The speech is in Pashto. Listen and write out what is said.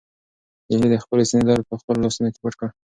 هیلې د خپلې سېنې درد په خپلو لاسو کې پټ کړ.